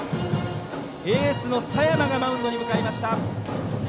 エースの佐山がマウンドへ向かいました。